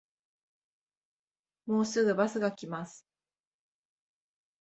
もうすぐバスが来ます